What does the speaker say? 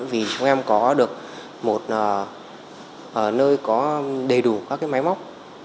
vì chúng em có được một nơi có đầy đủ các cái máy móc